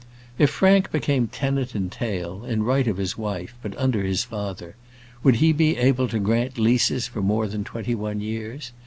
If Frank became tenant in tail, in right of his wife, but under his father, would he be able to grant leases for more than twenty one years?